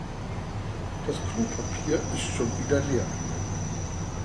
Das Klopapier ist schon wieder leer.